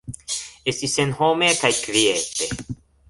Estis senhome kaj kviete.